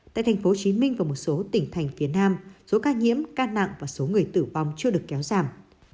tại tp hcm và một số tỉnh thành phía nam số ca nhiễm ca nặng và số người tử vong chưa được kéo giảm